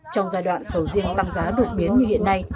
trong giai đoạn sầu riêng tăng giá đột biến như hiện nay